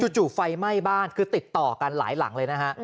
จู่ไฟไหม้บ้านคือติดต่อกันหลายหลังเลยนะฮะ